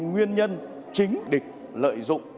nguyên nhân chính địch lợi dụng